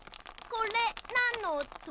これなんのおと？